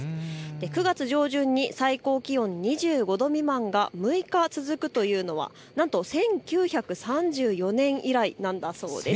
９月上旬に最高気温２５度未満が６日続くというのはなんと１９３４年以来なんだそうです。